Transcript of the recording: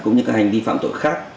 cũng như các hành vi phạm tội khác